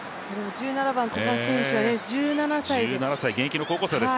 １７番、古賀選手は高校生です